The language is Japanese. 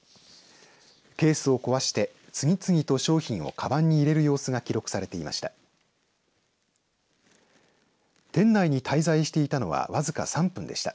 ケースを壊して次々と商品をかばんに入れる様子が記録されていました。